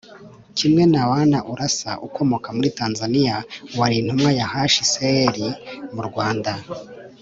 kimwe na wana urasa ukomoka muri tanzaniya, wari intumwa ya hcr mu rwanda